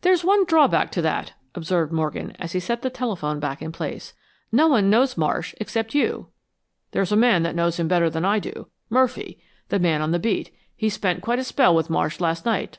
"There's one drawback to that," observed Morgan, as he set the telephone back in place. "No one knows Marsh except you." "There's a man knows him better than I do Murphy, the man on the beat. He spent quite a spell with Marsh last night."